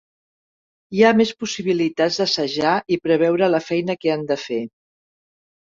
Hi ha més possibilitats d'assajar i preveure la feina que han de fer.